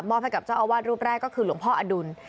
ให้กับเจ้าอาวาสรูปแรกก็คือหลวงพ่ออดุล